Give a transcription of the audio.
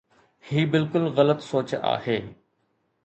هي بلڪل غلط سوچ آهي.